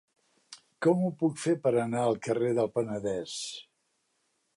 Com ho puc fer per anar al carrer del Penedès?